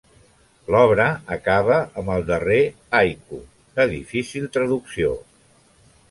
L'obra acaba amb el darrer haiku, de difícil traducció.